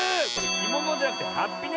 きものじゃなくてはっぴね。